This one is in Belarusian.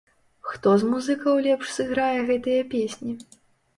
Хто з музыкаў лепш сыграе гэтыя песні?